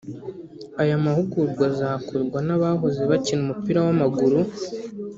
Aya mahugurwa azakorwa n’ abahoze bakina umupira w’amaguru